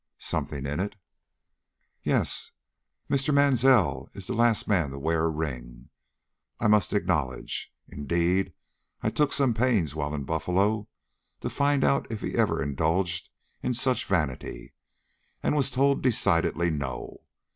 "Something in it?" "Yes. Mr. Mansell is the last man to wear a ring, I must acknowledge. Indeed, I took some pains while in Buffalo to find out if he ever indulged in any such vanity, and was told decidedly No.